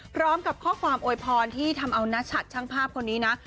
พร้อมกับข้อความโวยพรที่ทำเอานัชัดช่างภาพคนนี้นะ